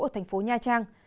ở thành phố nha trang